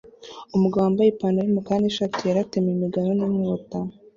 Umugabo wambaye ipantaro yumukara nishati yera atema imigano ninkota